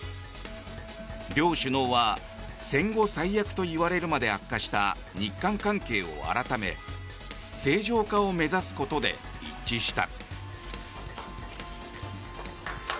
両首脳は戦後最悪といわれるまで悪化した日韓関係を改め正常化を目指すことで一致した。